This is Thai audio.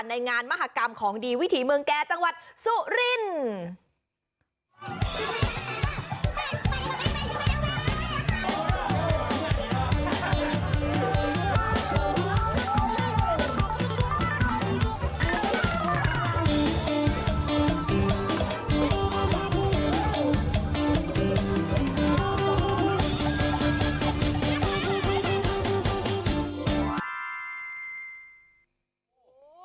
ในงานมหากรรมของดีวิถีเมืองแก่จังหวัดสุรินทร์